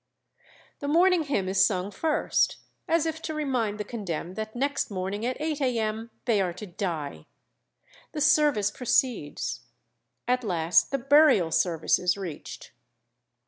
"The morning hymn is sung first, as if to remind the condemned that next morning at eight a.m. they are to die. The service proceeds. At last the burial service is reached.